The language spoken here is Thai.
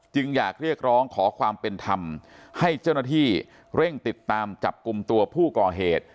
อยากเรียกร้องขอความเป็นธรรมให้เจ้าหน้าที่เร่งติดตามจับกลุ่มตัวผู้ก่อเหตุ